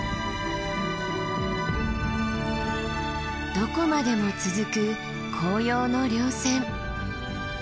どこまでも続く紅葉の稜線。